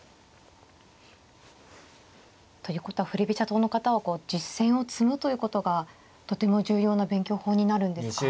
党の方は実戦を積むということがとても重要な勉強法になるんですか。